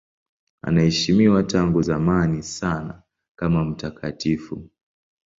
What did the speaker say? Anaheshimiwa tangu zamani sana kama mtakatifu.